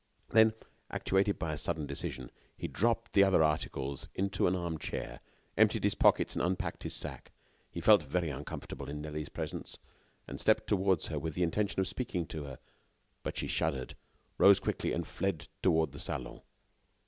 Then, actuated by a sudden decision, he dropped the other articles into an armchair, emptied his pockets and unpacked his sack. He felt very uncomfortable in Nelly's presence, and stepped toward her with the intention of speaking to her, but she shuddered, rose quickly and fled toward the salon.